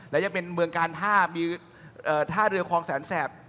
และยังเป็นเมืองการท่ามีท่าเรือคลองแสนแสบ